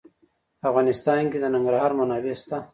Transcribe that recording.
په افغانستان کې د ننګرهار منابع شته.